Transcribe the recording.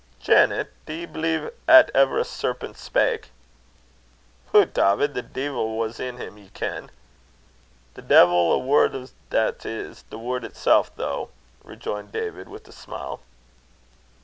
"Janet, do ye believe 'at ever a serpent spak?" "Hoot! Dawvid, the deil was in him, ye ken." "The deil a word o' that's i' the word itsel, though," rejoined David with a smile.